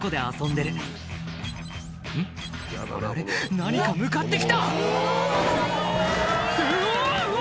何か向かって来たうわ！